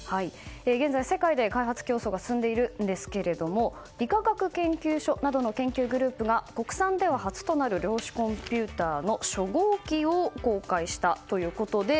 現在、世界で開発競争が進んでいるんですが理化学研究所などの研究グループが国産では初となる量子コンピュータ−の初号器を公開したということです。